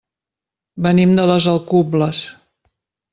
Venim de les Alcubles.